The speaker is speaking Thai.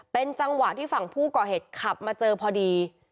เป็นจังหวะที่ฝั่งผู้ก่อเหตุขับมาเจอพอดี